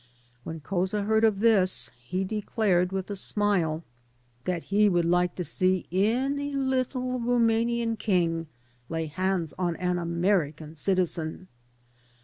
When Couza heard of this hi*, declared, with a smile, that he would like to see any 22 THE GOSPEL OF NEW YORK little Rumanian king lay hands on an American citizen.